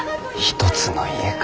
一つの家か。